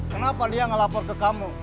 kenapa dia ngelapor ke kamu